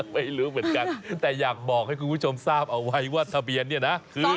ไม่รู้เหมือนกันแต่อยากบอกให้คุณผู้ชมทราบเอาไว้ว่าทะเบียนเนี่ยนะคือ